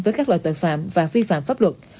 với các loại tội phạm và vi phạm pháp luật